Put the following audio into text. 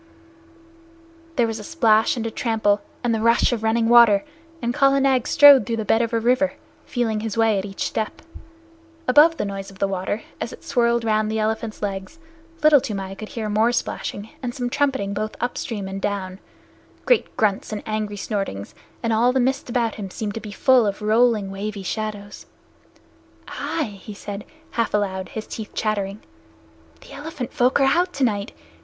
There was a splash and a trample, and the rush of running water, and Kala Nag strode through the bed of a river, feeling his way at each step. Above the noise of the water, as it swirled round the elephant's legs, Little Toomai could hear more splashing and some trumpeting both upstream and down great grunts and angry snortings, and all the mist about him seemed to be full of rolling, wavy shadows. "Ai!" he said, half aloud, his teeth chattering. "The elephant folk are out tonight.